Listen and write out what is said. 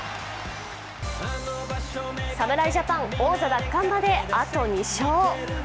侍ジャパン、王座奪還まであと２勝。